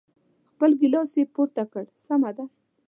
خپل ګیلاس یې پورته کړ، سمه ده.